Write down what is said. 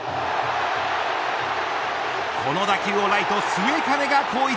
この打球を、ライト末包が放逸。